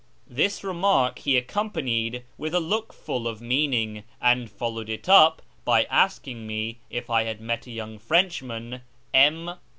This remark he accompanied with a look full of meaning, and followed it up by asking me if I had met a young Frenchman, M.